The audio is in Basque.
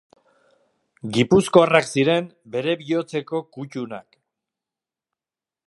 Gipuzkoarrak ziren bere bihotzeko kutunak.